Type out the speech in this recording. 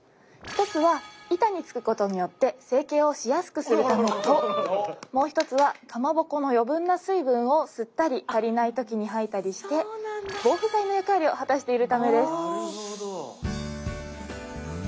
１つは板につくことによって成形をしやすくするためともう１つはかまぼこの余分な水分を吸ったり足りない時に吐いたりして防腐剤の役割を果たしているためです。